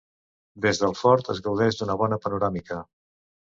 Des del fort es gaudeix d'una bona panoràmica.